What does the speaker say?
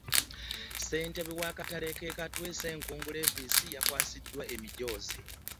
Ssentebe w'akatale k'e Katwe , Ssenkungu Levis yakwasiddwa emijoozi